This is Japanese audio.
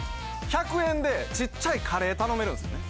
１００円で小っちゃいカレー頼めるんすよね。